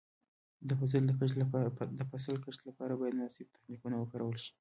د فصل د کښت لپاره باید مناسب تخنیکونه وکارول شي.